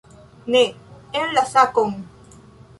Ne en la sakon!